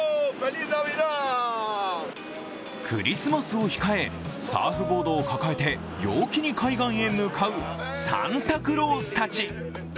クリスマスを控えサーフボードを抱え陽気に海岸へ向かうサンタクロースたち。